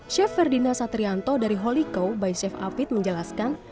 chef ferdina satrianto dari holiko by chef afid menjelaskan